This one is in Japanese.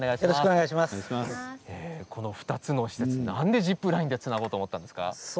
この２つの施設、なんでジップラインでつなごうと思ったんですか？